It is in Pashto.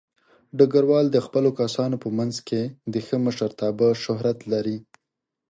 ډګروال د خپلو کسانو په منځ کې د ښه مشرتابه شهرت لري.